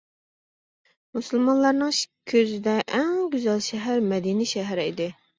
مۇسۇلمانلارنىڭ كۆزىدە ئەڭ گۈزەل شەھەر مەدىنە شەھىرى ئىدى.